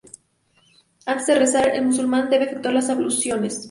Antes de rezar, el musulmán debe efectuar las abluciones.